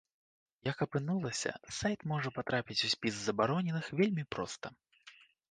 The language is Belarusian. Як апынулася, сайт можа патрапіць у спіс забароненых вельмі проста.